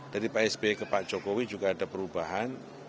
dari pak sby ke pak jokowi juga ada perubahan